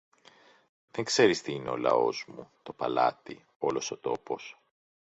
Δεν ξέρεις τι είναι ο λαός μου, το παλάτι, όλος ο τόπος.